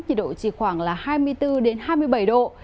nhiệt độ chỉ khoảng hai mươi bốn đến hai mươi bảy độ